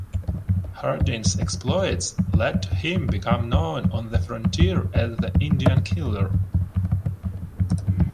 Hardin's exploits led to him become known on the frontier as "The Indian Killer".